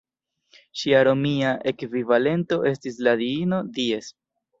Ŝia romia ekvivalento estis la diino "Dies".